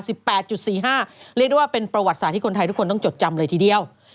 เรียกได้ว่าเป็นประวัติศาสตร์ที่คนไทยทุกคนต้องจดจำเลยทีเดียว